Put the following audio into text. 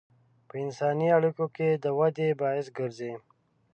په انساني اړیکو کې د ودې باعث ګرځي.